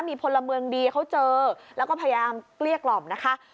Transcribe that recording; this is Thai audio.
มีพลเมืองดีเขาเจอแล้วก็พยายามเกลี้ยกล่อมนะคะ